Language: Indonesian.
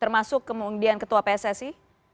termasuk kemudian ketua pssi